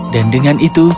dan dengan itu